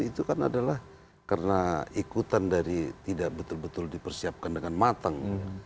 itu kan adalah karena ikutan dari tidak betul betul dipersiapkan dengan matang